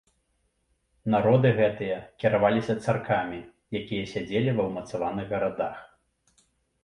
Народы гэтыя кіраваліся царкамі, якія сядзелі ва ўмацаваных гарадах.